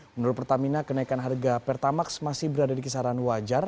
menurut pertamina kenaikan harga pertamax masih berada di kisaran wajar